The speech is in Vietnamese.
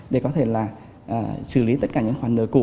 để có thể là xử lý tất cả những khoản nợ cũ